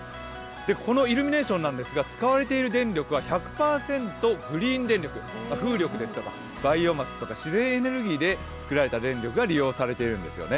このイルミネーションなんですが使われている電力は１００％グリーン電力、風力ですとかバイオマスとか自然エネルギーで作られた電力が利用されているんですよね。